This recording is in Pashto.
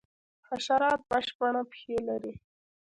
حشرات شپږ پښې لري